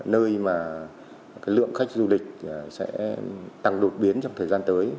nơi mà lượng khách du lịch sẽ tăng đột biến trong thời gian tới